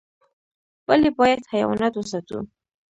ولي بايد حيوانات وساتو؟